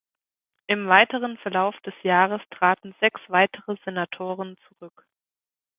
Im weiteren Verlauf des Jahres traten sechs weitere Senatoren zurück.